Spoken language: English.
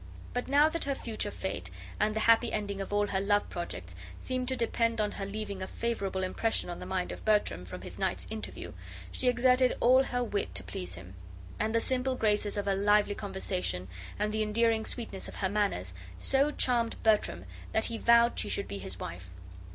But now that her future fate, and the happy ending of all her love projects, seemed to depend on her leaving a favorable impression on the mind of Bertram from this night's interview, she exerted all her wit to please him; and the simple graces of her lively conversation and the endearing sweetness of her manners so charmed Bertram that be vowed she should be his wife.